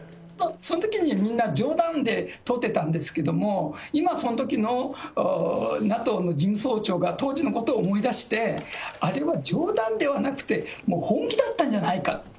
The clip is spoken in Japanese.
そのときにみんな冗談でとってたんですけれども、今そのときのＮＡＴＯの事務総長が、当時のことを思い出して、あれは冗談ではなくて、もう本気だったんじゃないか。